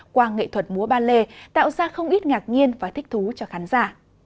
qua nghệ thuật múa ba lê tạo ra không ít ngạc nhiên và thích thú cho khán giả